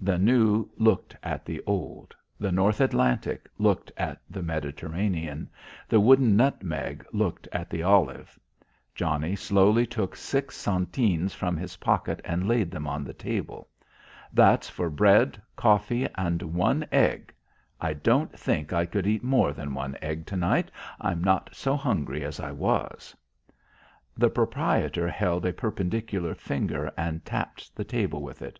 The new looked at the old; the North Atlantic looked at the Mediterranean; the wooden nutmeg looked at the olive. Johnnie slowly took six centenes from his pocket and laid them on the table. "That's for bread, coffee, and one egg. I don't think I could eat more than one egg to night. I'm not so hungry as I was." The proprietor held a perpendicular finger and tapped the table with it.